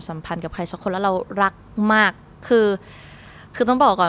พันธ์กับใครสักคนแล้วเรารักมากคือคือต้องบอกก่อน